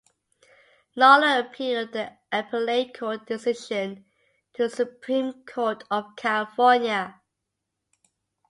Knoller appealed the appellate court decision to the Supreme Court of California.